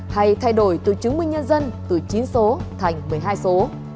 hay thay đổi từ chứng minh nhân dân từ chín số thành một mươi hai số